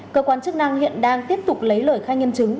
cơ quan chức năng hiện đang tiếp tục lấy lời khai nhân chứng